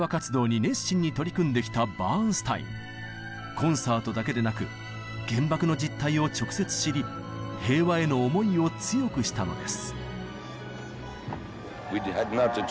コンサートだけでなく原爆の実態を直接知り平和への思いを強くしたのです。